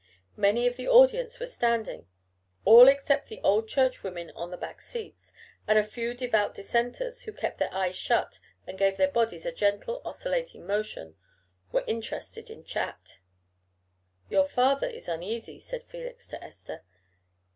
Many of the audience were standing; all, except the old Churchwomen on the back seats, and a few devout Dissenters who kept their eyes shut and gave their bodies a gentle oscillating motion, were interested in chat. "Your father is uneasy," said Felix to Esther.